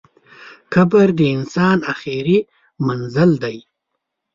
قبر د انسان اخري منزل دئ.